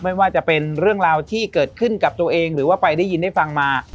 ไม่ว่าจะเป็นเรื่องราวที่เกิดขึ้นกับตัวเองหรือว่าไปได้ยินได้ฟังมา